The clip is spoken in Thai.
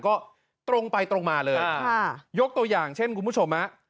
ก็ตรงไปตรงมาเลยค่ะยกตัวอย่างเช่นคุณผู้ชมฮะ